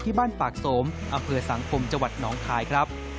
บ้านปากสมอำเภอสังคมจังหวัดหนองคายครับ